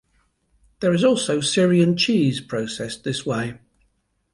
There is also Syrian cheese processed this way.